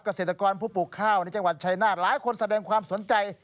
เกษตรกรผู้ปลูกข้าวในจังหวัดชายนาฏหลายคนแสดงความสนใจ